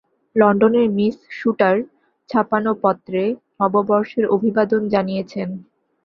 লণ্ডনের Miss Suter ছাপানো পত্রে নববর্ষের অভিবাদন জানিয়েছেন।